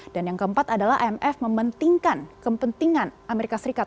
dan yang keempat adalah imf mementingkan kepentingan amerika serikat